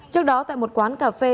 trước đó tại một quán cà phê